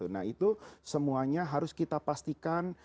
nah itu semuanya harus kita pastikan